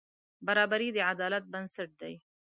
برابري د عدالت بنسټ دی.